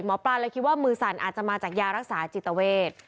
หมอปลาเลยคิดว่ามือสั่นอาจจะมาจากยารักษาจิตเวท